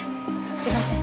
すいません